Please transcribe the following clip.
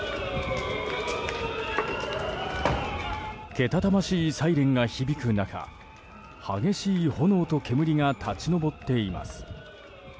けたたましいサイレンが響く中激しい炎と煙が立ち上っています。